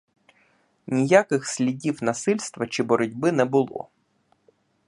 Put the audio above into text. Ніяких слідів насильства чи боротьби не було.